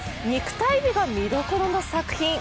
肉体美がみどころの作品。